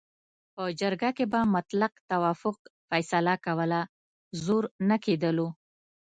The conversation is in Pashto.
په جرګه کې به مطلق توافق فیصله کوله، زور نه کېدلو.